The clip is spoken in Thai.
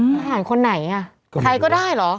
มหาลคนไหนอะไทยก็ได้หรอ